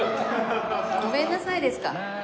ごめんなさいですか。